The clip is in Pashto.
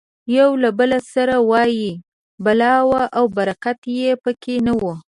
یو له بل سره وایي بلا وه او برکت یې پکې نه و.